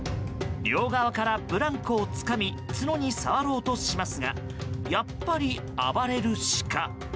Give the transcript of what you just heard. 両側からブランコをつかみ角に触ろうとしますがやっぱり暴れるシカ。